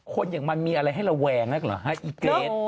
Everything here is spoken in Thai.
คนอย่างมันมีอะไรให้ระแวงนะเก้นเหรออีเกรต